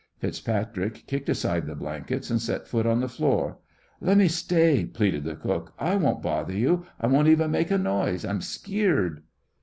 FitzPatrick kicked aside the blankets and set foot on the floor. "Le' me stay," pleaded the cook, "I won't bother you; I won't even make a noise. I'm skeered!"